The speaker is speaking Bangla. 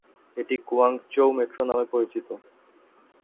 এটি কুয়াংচৌ মেট্রো নামে পরিচিত।